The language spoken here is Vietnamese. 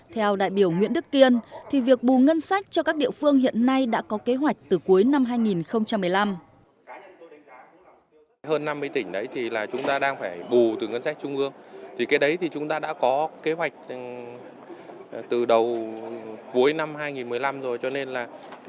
theo đại biểu nguyễn đức kiên thì việc bù ngân sách cho các địa phương hiện nay đã có kế hoạch từ cuối năm hai nghìn một mươi năm